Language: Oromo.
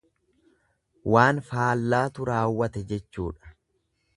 Waan faallaatu raawwate jechuudha.